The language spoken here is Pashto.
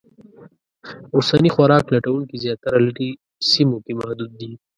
اوسني خوراک لټونکي زیاتره لرې سیمو کې محدود دي.